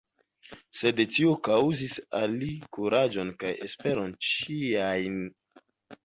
Sed tio kaŭzis al li kuraĝon kaj esperon ĉiajn!